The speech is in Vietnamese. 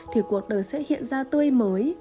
thì cuộc đời sẽ hiện ra tươi mới